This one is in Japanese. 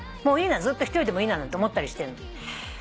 もういいなずっと一人でもいいななんて思ったりしてるの。